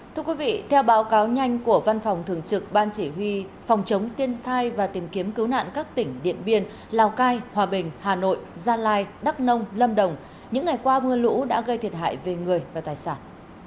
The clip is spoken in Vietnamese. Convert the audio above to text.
thưa quý vị theo báo cáo nhanh của văn phòng thường trực ban chỉ huy phòng chống thiên tai và tìm kiếm cứu nạn các tỉnh điện biên lào cai hòa bình hà nội gia lai đắk nông lâm đồng những ngày qua mưa lũ đã gây thiệt hại về người và tài sản